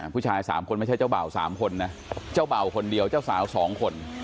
ผู้ชาย๓คนไม่ใช่เจ้าเบ่า๓คนนะเจ้าเบ่าคนเดียวเจ้าสาว๒คน